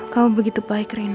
kamu begitu baik rina